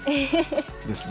ですね。